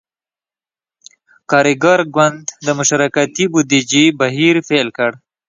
کارګر ګوند د »مشارکتي بودیجې« بهیر پیل کړ.